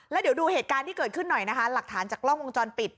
แล้วเดี๋ยวดูเหตุการณ์ที่เกิดขึ้นหน่อยนะคะหลักฐานจากกล้องวงจรปิด